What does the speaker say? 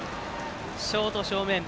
ショート正面。